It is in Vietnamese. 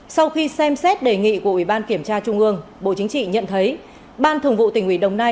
sau khi xem xét đề nghị của ủy ban kiểm tra trung ương bộ chính trị nhận thấy ban thường vụ tỉnh ủy đồng nai